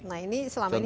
nah ini selama ini sering